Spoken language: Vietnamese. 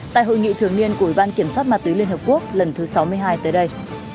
tại hội nghị thường niên của ủy ban kiểm soát ma túy liên hợp quốc lần thứ sáu mươi hai tới đây